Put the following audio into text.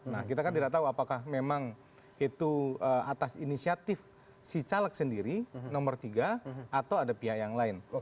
nah kita kan tidak tahu apakah memang itu atas inisiatif si caleg sendiri nomor tiga atau ada pihak yang lain